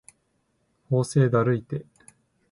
法政だるいて